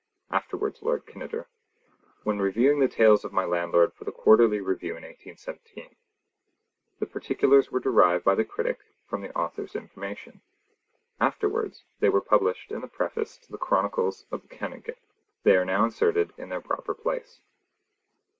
(afterwards Lord Kinneder), when reviewing the Tales of My Landlord for the Quarterly Review in 1817. The particulars were derived by the critic from the Author's information. Afterwards they were published in the Preface to the Chronicles of the Canongate. They are now inserted in their proper place.